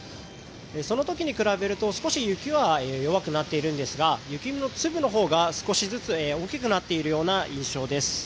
その時に比べると少し雪は弱くなっているんですが雪の粒が少しずつ大きくなっているような印象です。